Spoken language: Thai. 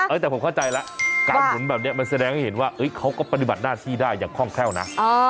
แต่ผมเข้าใจแล้วการหมุนแบบนี้มันแสดงให้เห็นว่าเขาก็ปฏิบัติหน้าที่ได้อย่างคล่องแคล่วนะ